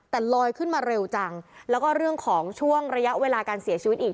แต่ลอยขึ้นมาเร็วจังแล้วก็เรื่องของช่วงระยะเวลาการเสียชีวิตอีก